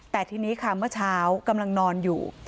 แต่ทีนี้ค่ะเมื่อเช้ากำลังนอนอยู่